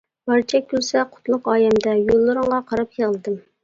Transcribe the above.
بارچە كۈلسە قۇتلۇق ئايەمدە، يوللىرىڭغا قاراپ يىغلىدىم.